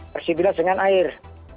harus dibilas dengan air